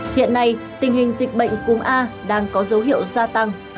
hiện nay tình hình dịch bệnh cúm a đang có dấu hiệu gia tăng